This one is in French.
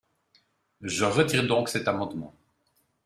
Je retire donc cet amendement.